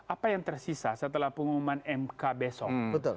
apa yang tersisa setelah pengumuman mk besok